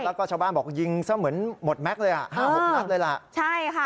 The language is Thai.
แล้วก็ชาวบ้านบอกยิงซะเหมือนหมดแม็กซ์เลยอ่ะห้าหกนัดเลยล่ะใช่ค่ะ